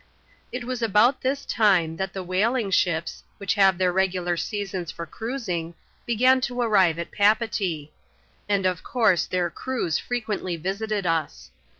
It was about this time that the whaling ships, which have their regular seasons for cruising, began to arrive at Papeetee; and of course their crews frequently visited us.